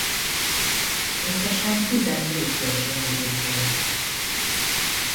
Összesen tizennégy kölcsönzőjük volt.